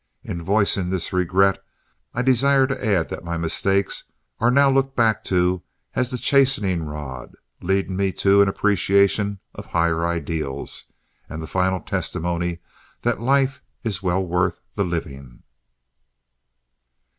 In voicing this regret, I desire to add that my mistakes are now looked back to as the chastening rod, leading me to an appreciation of higher ideals, and the final testimony that life is well worth the living.